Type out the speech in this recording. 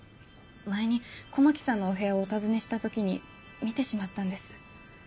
前に狛木さんのお部屋をお訪ねした時に見てしまったんです。